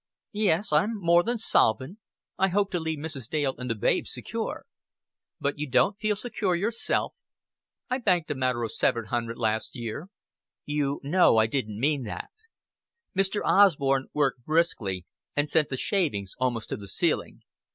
"Yes, I'm more than solvent. I hope to leave Mrs. Dale and the babes secure." "But you don't feel secure yourself?" "I banked a matter of seven hundred last year." "You know I didn't mean that." Mr. Osborn worked briskly, and sent the shavings almost to the ceiling.